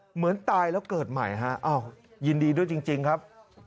เหมือนตายแล้วเกิดใหม่ฮะอ้าวยินดีด้วยจริงครับ